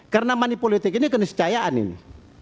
karena manipolitik ini kena setayaan ini